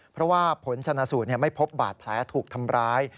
เพราะว่าผลชนะสูตรไม่พบบาดแผลถูกทำร้าย